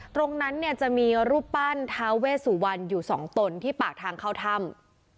ตรงนั้นเนี่ยจะมีรูปปั้นท้าเวสุวรรณอยู่สองตนที่ปากทางเข้าถ้ำ